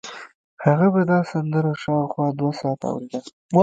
هغه به دا سندره شاوخوا دوه ساعته اورېده